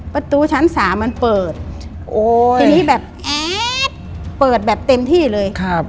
ประตูชั้นสามมันเปิดโอ้ทีนี้แบบแอดเปิดแบบเต็มที่เลยครับ